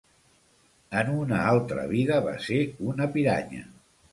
En una altre vida, va ser una piranya.